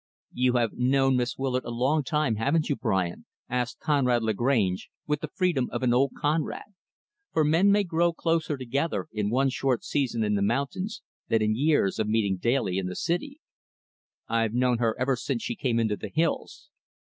"You have known Miss Willard a long time, haven't you, Brian?" asked Conrad Lagrange, with the freedom of an old comrade for men may grow closer together in one short season in the mountains than in years of meeting daily in the city. "I've known her ever since she came into the hills.